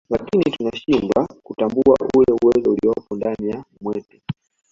lakini tunashindwa kutambua ule uwezo uliopo ndani mwetu